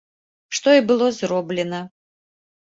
Што і было зроблена.